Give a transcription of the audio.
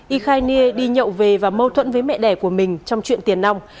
y khai nghê đi nhậu về và mâu thuẫn với mẹ đẻ của mình trong chuyện tiền nông